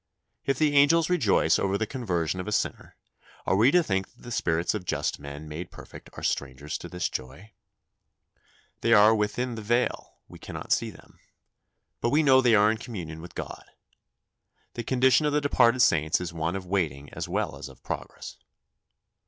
If the angels rejoice over the conversion of a sinner, are we to think that the spirits of just men made perfect are strangers to this joy? They are within the veil, we cannot see them, but we know they are in communion with God. The condition of the departed saints is one of waiting as well as of progress.